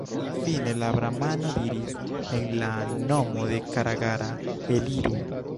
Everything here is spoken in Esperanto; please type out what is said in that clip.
Fine la bramano diris: « En la nomo de Karagara, eliru!